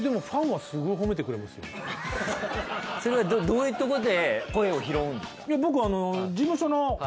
でもそれはどういうとこで声を拾うんですか？